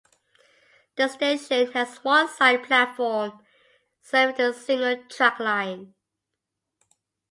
The station has one side platform serving the single track line.